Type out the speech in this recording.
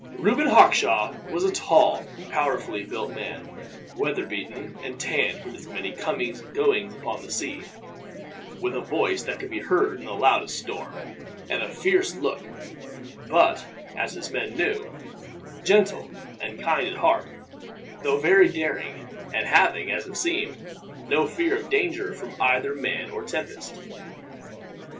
Reuben Hawkshaw was a tall, powerfully built man, weatherbeaten and tanned from his many comings and goings upon the sea; with a voice that could be heard in the loudest storm, and a fierce look but, as his men knew, gentle and kind at heart, though very daring; and having, as it seemed, no fear of danger either from man or tempest.